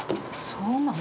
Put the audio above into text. そうなん？